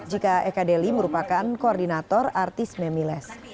jika eka deli merupakan koordinator artis memiles